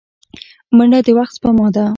منډه د وخت سپما ده